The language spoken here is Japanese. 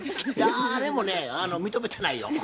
だれもね認めてないよ。